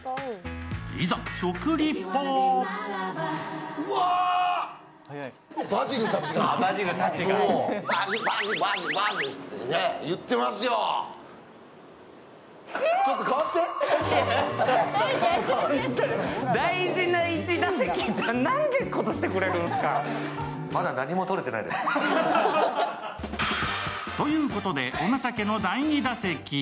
いざ、食リポ。ということで、お情けの第２打席